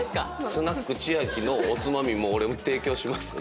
「スナック千瑛」のおつまみも俺も提供しますよ